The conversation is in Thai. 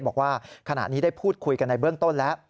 บอกว่าขณะนี้ได้พูดคุยกันในเบื้องต้นแล้ว